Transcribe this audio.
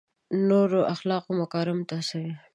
نورو اخلاقي مکارمو ته یې هڅول.